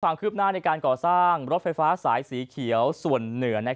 ความคืบหน้าในการก่อสร้างรถไฟฟ้าสายสีเขียวส่วนเหนือ